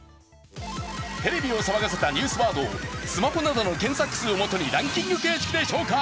テレビを騒がせたニュースワードをスマホなどの検索数をもとにランキング形式で紹介。